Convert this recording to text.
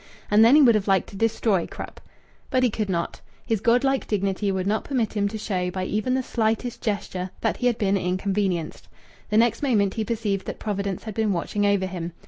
And then he would have liked to destroy Krupp. But he could not. His godlike dignity would not permit him to show by even the slightest gesture that he had been inconvenienced. The next moment he perceived that Providence had been watching over him.